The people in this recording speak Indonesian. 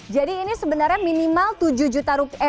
jadi ini sebenarnya minimal tujuh juta rupiah